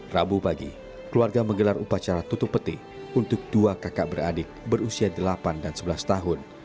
rabu pagi keluarga menggelar upacara tutup peti untuk dua kakak beradik berusia delapan dan sebelas tahun